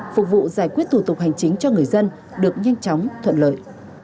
phục vụ giải quyết thủ tục hành chính cho người dân được nhanh chóng thuận lợi